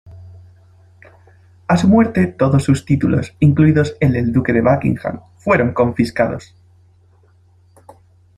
A su muerte todos sus títulos, incluidos el de duque de Buckingham, fueron confiscados.